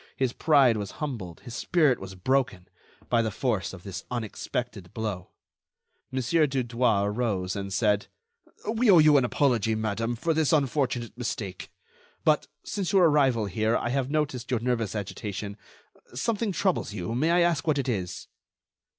His pride was humbled, his spirit was broken, by the force of this unexpected blow. Mon. Dudouis arose, and said: "We owe you an apology, madame, for this unfortunate mistake. But, since your arrival here, I have noticed your nervous agitation. Something troubles you; may I ask what it is?"